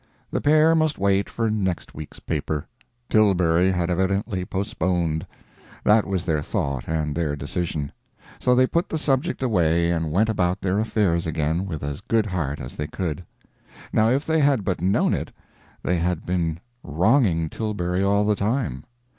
The pair must wait for next week's paper Tilbury had evidently postponed. That was their thought and their decision. So they put the subject away and went about their affairs again with as good heart as they could. Now, if they had but known it, they had been wronging Tilbury all the time.